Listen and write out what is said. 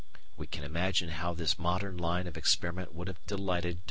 We can imagine how this modern line of experiment would have delighted Darwin.